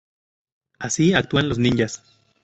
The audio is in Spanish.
Así actúan los ninjas.